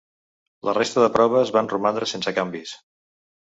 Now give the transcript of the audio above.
La resta de proves van romandre sense canvis.